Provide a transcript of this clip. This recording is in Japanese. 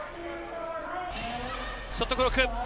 ショットクロック。